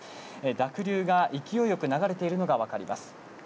濁流が勢いよく流れているのが分かります。